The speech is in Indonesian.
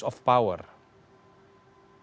atau ini adalah penggunaan kekuasaan